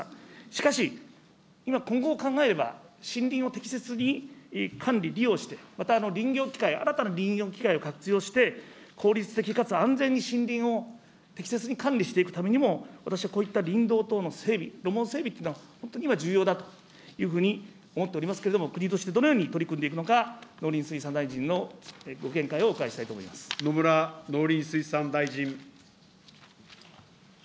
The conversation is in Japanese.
しかし、今、今後を考えれば、森林を適切に管理、利用して、また林業きかい、新たな林業きかいを活用して、効率的かつ安全に森林を適切に管理していくためにも、私はこういった林道等の整備、路網整備というのは本当に今、重要だというふうに思っておりますけれども、国としてどのように取り組んでいくのか、農林水産大臣のご見解をお伺野村農林水産大臣。